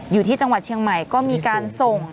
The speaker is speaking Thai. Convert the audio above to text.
อยู่ที่จังหวัดเชียงใหม่ก็มีการส่ง